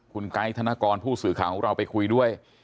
คุณไกด์ธนกรผู้สื่อข่าวของเราไปคุยด้วย